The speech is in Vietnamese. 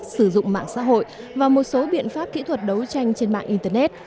sử dụng mạng xã hội và một số biện pháp kỹ thuật đấu tranh trên mạng internet